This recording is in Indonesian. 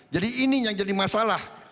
jadi ini yang jadi masalah